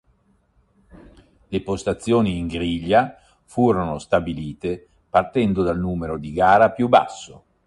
Le postazioni in griglia furono stabilite partendo dal numero di gara più basso.